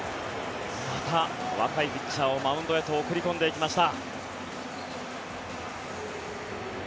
また若いピッチャーをマウンドへと送り込んでいきました。